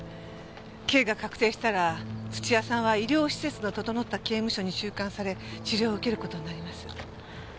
刑が確定したら土屋さんは医療施設の整った刑務所に収監され治療を受ける事になります。